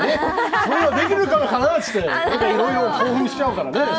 それができるのかなと、いろいろと興奮しちゃうからね。